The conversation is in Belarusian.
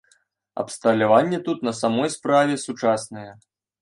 Абсталяванне тут на самой справе сучаснае.